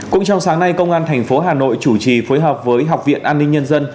cũng trong sáng nay công an thành phố hà nội chủ trì phối hợp với học viện an ninh nhân dân